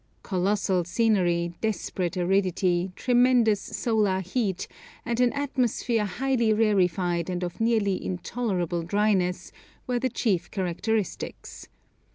Colossal scenery, desperate aridity, tremendous solar heat, and an atmosphere highly rarefied and of nearly intolerable dryness, were the chief characteristics.